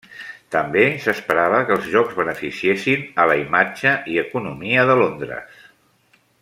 També s'esperava que els Jocs beneficiessin a la imatge i economia de Londres.